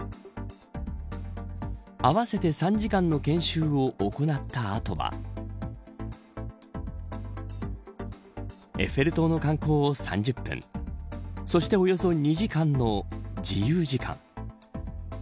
合わせて３時間の研修を行った後はエッフェル塔の観光を３０分そしておよそ２時間の自由時間。